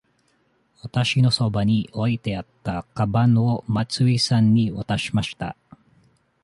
わたしのそばに置いてあったかばんを松井さんに渡しました。